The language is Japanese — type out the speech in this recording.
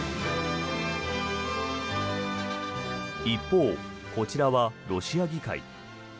一方、こちらはロシア議会。